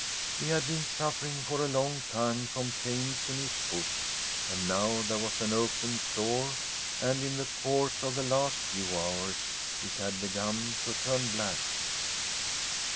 He had been suffering for a long time from pains in his foot, and now there was an open sore, and in the course of the last few hours it had begun to turn black.